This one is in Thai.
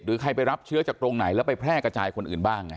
ใครไปรับเชื้อจากตรงไหนแล้วไปแพร่กระจายคนอื่นบ้าง